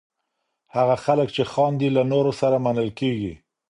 هغه خلک چې خاندي، له نورو سره منل کېږي.